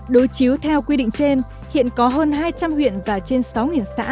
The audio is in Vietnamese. đối chiếu theo quy định trên hiện có hơn hai trăm linh huyện và trên sáu xã